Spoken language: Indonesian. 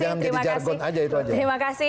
jangan jadi jargon aja itu aja